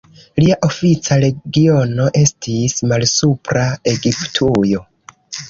Lia ofica regiono estis Malsupra Egiptujo.